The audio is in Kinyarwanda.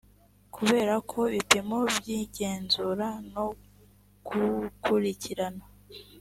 kureba ko ibipimo by igenzura no gukurikirana